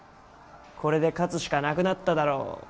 これで勝つしかなくなっただろ？